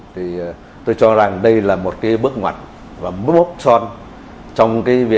thì tôi cho rằng đây là một bước ngoặt và bước son